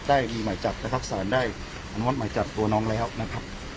ได้มีหมายจับนะครับสารได้อนุมัติหมายจับตัวน้องแล้วนะครับ